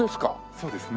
そうですね。